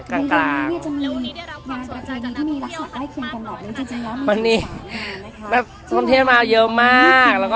พร้อมที่เรามาเยอะมาก